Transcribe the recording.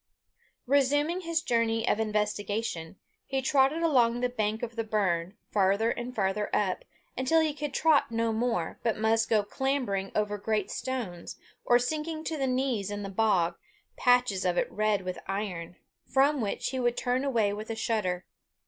Resuming his journey of investigation, he trotted along the bank of the burn, farther and farther up, until he could trot no more, but must go clambering over great stones, or sinking to the knees in bog, patches of it red with iron, from which he would turn away with a shudder.